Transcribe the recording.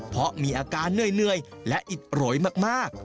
เพราะมีอาการเหนื่อยและอิดโรยมาก